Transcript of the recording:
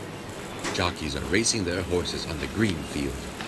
Jockeys are racing their horses on the green field.